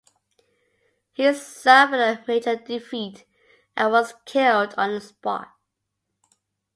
He suffered a major defeat and was killed on the spot.